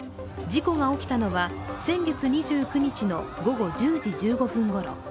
事故が起きたのは先月２９日の午後１０時１５分ごろ。